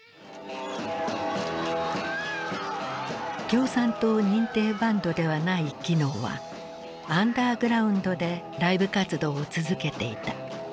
共産党認定バンドではないキノーはアンダーグラウンドでライブ活動を続けていた。